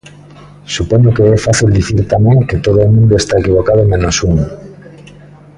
Supoño que é fácil dicir tamén que todo o mundo está equivocado menos un.